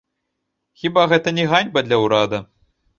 Хіба гэта не ганьба для ўрада?